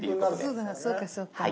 そうかそうか。